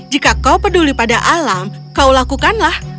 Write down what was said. jika kau peduli pada alam kau lakukanlah